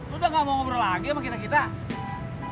udah gak mau ngobrol lagi sama kita kita